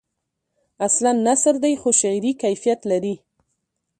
اصلاً نثر دی خو شعری کیفیت لري.